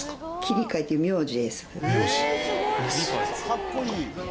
かっこいい。